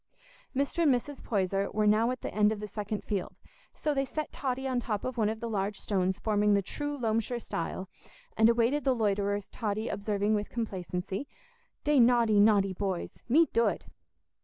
Mr. and Mrs. Poyser were now at the end of the second field, so they set Totty on the top of one of the large stones forming the true Loamshire stile, and awaited the loiterers; Totty observing with complacency, "Dey naughty, naughty boys—me dood."